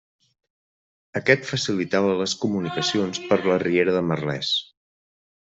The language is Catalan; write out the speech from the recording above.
Aquest facilitava les comunicacions per la riera de Merlès.